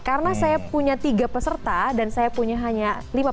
karena saya punya tiga peserta dan saya punya satu orang yang menggunakan bahasa inggris